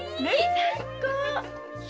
最高！